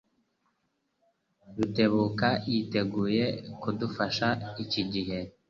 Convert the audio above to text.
Rutebuka yiteguye kudufasha iki gihe.